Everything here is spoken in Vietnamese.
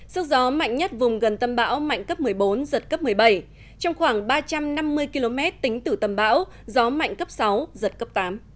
sức gió mạnh nhất vùng gần tâm bão mạnh cấp một mươi bốn giật cấp một mươi bảy trong khoảng ba trăm năm mươi km tính từ tâm bão gió mạnh cấp sáu giật cấp tám